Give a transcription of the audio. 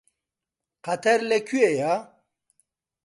قەتەر لەکوێیە؟